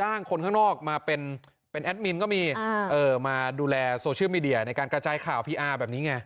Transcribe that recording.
จ้างคนข้างนอกมาเป็นแอดมินก็มีมาดูแลโซเชียลมีเดียในการกระจายข่าวพีอาร์แบบนี้ไง